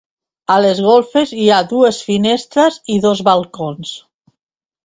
A les golfes hi ha dues finestres i dos balcons.